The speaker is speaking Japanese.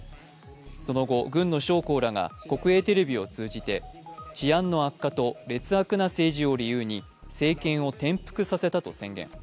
その後、軍の将校らが国営テレビを通じて治安の悪化と劣悪な政治を理由に政権を転覆させたと宣言。